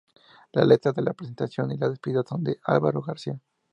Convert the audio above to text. Las letras de la presentación y la despedida son de Álvaro García.